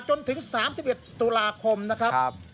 จนถึง๓๑ตุลาคมนะครับ